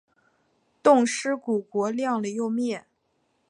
冻尸骨国亮了又灭。